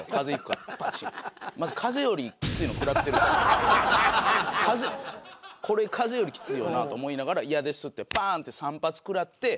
まずこれ風邪よりきついよなと思いながら「嫌です」ってパーンって３発食らって。